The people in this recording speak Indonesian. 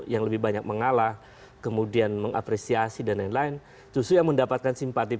yang lebih banyak mengalah kemudian mengapresiasi dan lain lain justru yang mendapatkan simpati